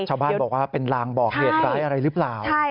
ชาวบ้านบอกว่าเป็นลางบอกเหตุร้ายอะไรหรือเปล่า